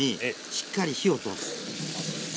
しっかり火を通す。